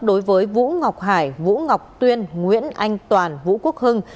đối với vũ ngọc hải vũ ngọc tuyên nguyễn anh toàn vũ quốc hưng